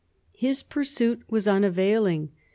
His pursuit was unavailing.